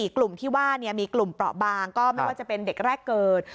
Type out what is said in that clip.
กลุ่มที่ว่ามีกลุ่มเปราะบางก็ไม่ว่าจะเป็นเด็กแรกเกิด